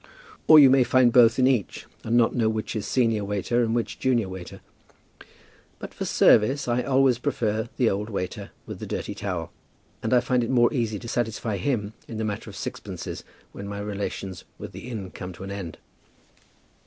Or you may find both in each, and not know which is senior waiter and which junior waiter. But for service I always prefer the old waiter with the dirty towel, and I find it more easy to satisfy him in the matter of sixpences when my relations with the inn come to an end.